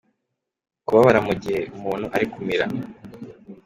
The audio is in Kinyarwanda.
Kubabara mu gihe umuntu ari kumira.